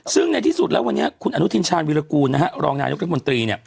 ซึ่งในที่สุดแล้ววันนี้คุณอนุทินชาญวิรากูลรองนายกรัฐมนตรี